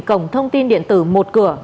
cổng thông tin điện tử một cửa